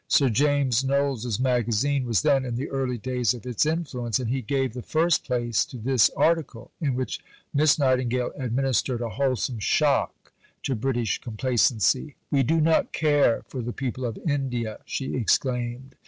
Sir James Knowles's magazine was then in the early days of its influence, and he gave the first place to this article, in which Miss Nightingale administered a wholesome shock to British complacency. "We do not care for the people of India," she exclaimed.